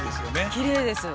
きれいです。